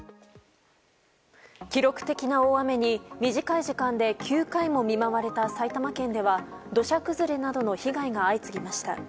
記録的な大雨に、短い時間で９回も見舞われた埼玉県では土砂崩れなどの被害が相次ぎました。